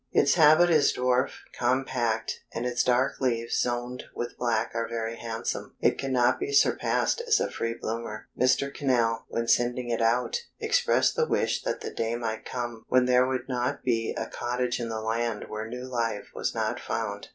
Its habit is dwarf, compact, and its dark leaves zoned with black are very handsome. It cannot be surpassed as a free bloomer. Mr. Cannell, when sending it out, expressed the wish that the day might come when there would not be a cottage in the land where New Life was not found.